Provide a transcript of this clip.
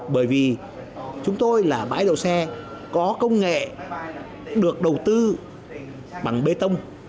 bởi vì chúng tôi là bãi đầu xe có công nghệ được đầu tư bằng bê tông